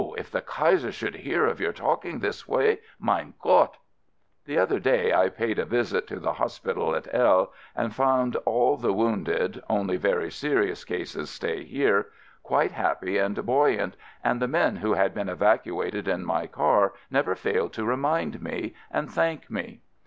if the Kaiser should hear of your talking this way — mein Gott!" FIELD SERVICE 125 The other day I paid a visit to the hos pital at L , and found all the wounded (only very serious cases stay here) quite happy and buoyant, and the men who had been evacuated in my car never failed to remind me — and thank me.